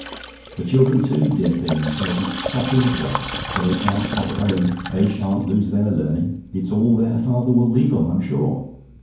"The children, too! Dear things! They'll be sopping wet; for they sha'n't stop at home they sha'n't lose their learning; it's all their father will leave 'em, I'm sure.